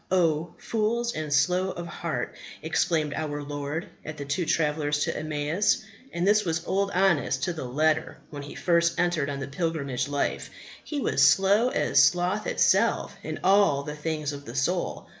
O fools and slow of heart! exclaimed our Lord at the two travellers to Emmaus. And this was Old Honest to the letter when he first entered on the pilgrimage life; he was slow as sloth itself in the things of the soul.